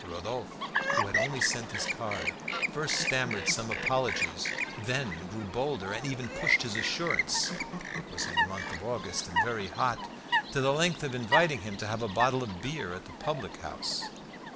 Rodolphe, who had only sent his card, first stammered some apologies, then grew bolder, and even pushed his assurance (it was in the month of August and very hot) to the length of inviting him to have a bottle of beer at the public house.